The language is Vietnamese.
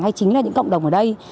hay chính là những cộng đồng ở đây